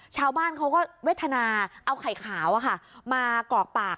ชาวบ้านเขาก็เวทนาเอาไข่ขาวมากรอกปาก